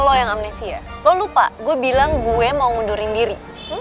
lo yang amnesia lo lupa gue bilang gue mau mundurin diri